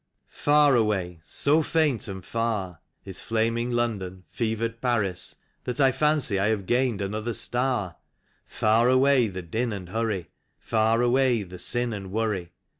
Far away, so faint and far, is flaming London, fevered Paris, That I fancy I have gained another star; Far away the din and hurry, far away the sin and worry.